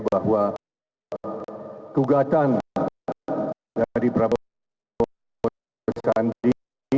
bahwa kegugatan dari prabowo dan pak sandi